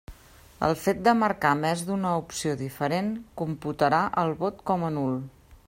El fet de marcar més d'una opció diferent, computarà el vot com a nul.